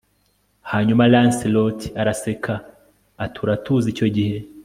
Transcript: Hanyuma Lancelot araseka ati Uratuzi icyo gihe